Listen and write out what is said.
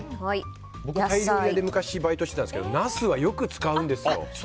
僕、タイ料理屋で昔バイトしてたんですけどナスはよく使うんですよ。